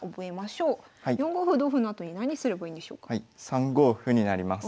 ３五歩になります。